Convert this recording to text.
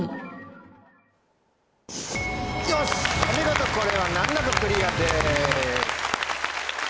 お見事これは難なくクリアです。